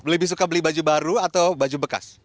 lebih suka beli baju baru atau baju bekas